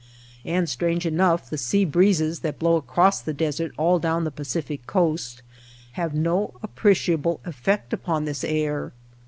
And, strange enough, the sea breezes that blow across the deserts all down the Pacific coast have no appreciable ef fect upon this air.